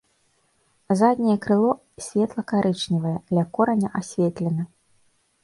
Задняе крыло светла-карычневае, ля кораня асветлена.